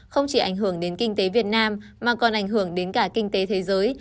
không chỉ ảnh hưởng đến kinh tế việt nam mà còn ảnh hưởng đến cả kinh tế thế giới